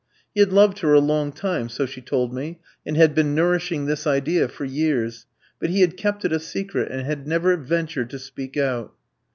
He had loved her a long time, so she told me, and had been nourishing this idea for years, but he had kept it a secret, and had never ventured to speak out.